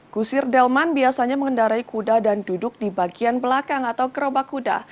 kusir delman biasanya mengendarai kuda dan duduk di bagian belakang atau gerobak kuda